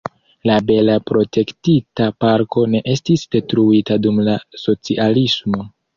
La bela protektita parko ne estis detruita dum la socialismo.